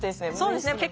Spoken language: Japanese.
そうですね。